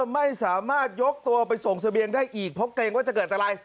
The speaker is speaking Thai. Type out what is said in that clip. ไม่สามารถยกตัวไปส่งเสบียงได้อีกเพราะเกรงว่าจะเกิดอะไร